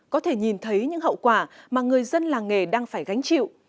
có thể nhìn thấy những hậu quả mà người dân làng nghề đang phải gánh chịu